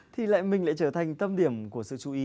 thì lại mình lại trở thành tâm điểm của sự chú ý